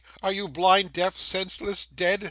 Are you blind, deaf, senseless, dead?